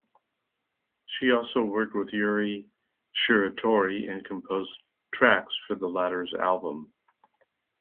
She also worked with Yuri Shiratori and composed tracks for the latter's album.